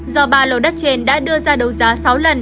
do ba lô đất trên đã đưa ra đấu giá sáu lần